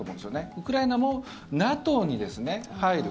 ウクライナもＮＡＴＯに入る。